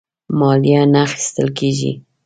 مالیه نه اخیستله کیږي.